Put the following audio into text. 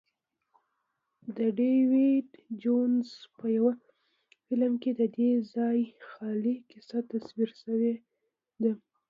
د ډیویډ جونز په یوه فلم کې ددې ځای خیالي کیسه تصویر شوې ده.